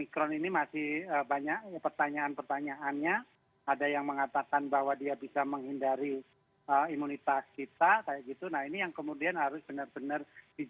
kepada tim de inter